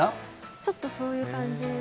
ちょっとそういう感じに。